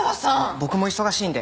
僕も忙しいので。